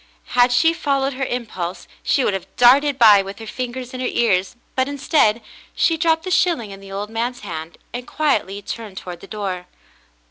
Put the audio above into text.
Had she followed her impulse, she would have darted by with her fingers in her ears, but instead, she dropped the shilling in the old man's hand, and quietly turned toward the door.